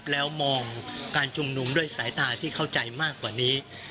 แล้วมองการชุมนุมด้วยสายตาที่เข้าใจมากกว่านี้